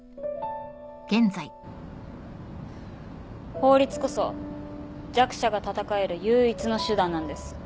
法律こそ弱者が戦える唯一の手段なんです。